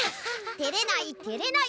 てれないてれない。